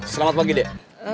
selamat pagi dek